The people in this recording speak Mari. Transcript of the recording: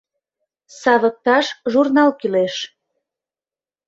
Савыкташ журнал кӱлеш...